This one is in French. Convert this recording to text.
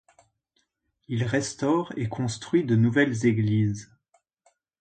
Il restaure et construit de nouvelles églises.